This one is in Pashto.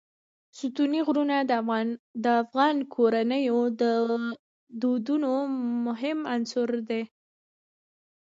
ستوني غرونه د افغان کورنیو د دودونو مهم عنصر دی.